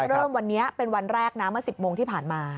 เริ่มวันนี้เป็นวันแรกนะเมื่อ๑๐โมงที่ผ่านมา